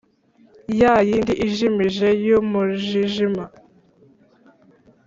ya yindi ijimije y’umujijima